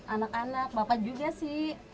anak anak bapak juga sih